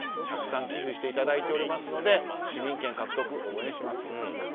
たくさん寄付していただいていますので市民権獲得を応援しますよと。